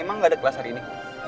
emang nggak ada kelas hari ini